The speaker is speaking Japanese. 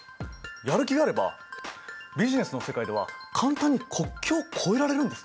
やる気があればビジネスの世界では簡単に国境を越えられるんですね。